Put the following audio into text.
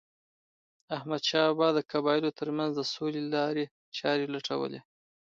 احمدشاه بابا د قبایلو ترمنځ د سولې لارې چارې لټولې.